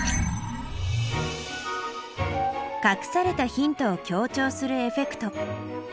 かくされたヒントを強調するエフェクト。